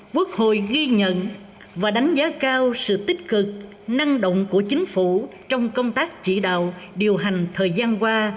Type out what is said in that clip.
quốc hội ghi nhận và đánh giá cao sự tích cực năng động của chính phủ trong công tác chỉ đạo điều hành thời gian qua